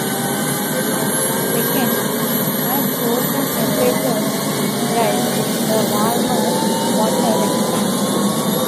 Second, as ocean temperatures rise, the warmer water expands.